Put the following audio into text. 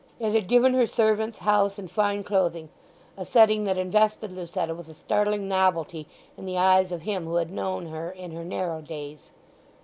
It had given her servants, house, and fine clothing—a setting that invested Lucetta with a startling novelty in the eyes of him who had known her in her narrow days.